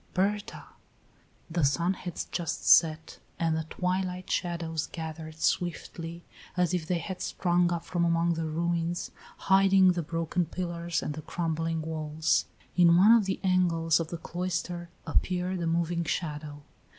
Berta!" The sun had just set, and the twilight shadows gathered swiftly, as if they had sprung up from among the ruins, hiding the broken pillars and the crumbling walls. In one of the angles of the cloister appeared a moving shadow.